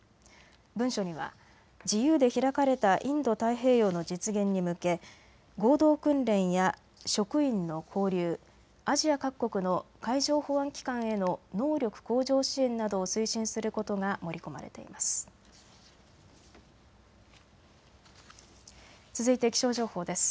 文書には自由で開かれたインド太平洋の実現に向け合同訓練や職員の交流、アジア各国の海上保安機関への能力向上支援などを推進することが盛り込まれています。